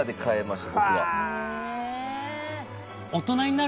した？